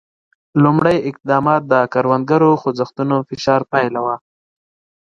لومړي اقدامات د کروندګرو خوځښتونو فشار پایله وه.